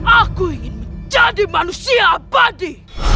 aku ingin menjadi manusia abadi